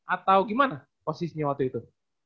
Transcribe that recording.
atau gimana posisinya waktu itu